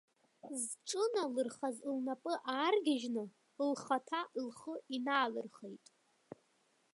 Зҿыналырхаз лнапы ааргьежьны, лхаҭа лхы инаалырхеит.